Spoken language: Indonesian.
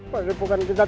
pak depokan tidak